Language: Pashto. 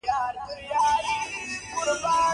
ورڅخه روان شوم.